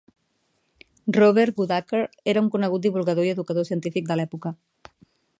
Robert Goodacre era un conegut divulgador i educador científic de l'època.